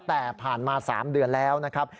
แต่ผ่านมา๓เดือนแล้วนะครับ